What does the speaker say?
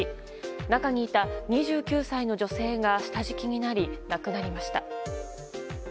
中にいた２９歳の女性が下敷きになり亡くなりました。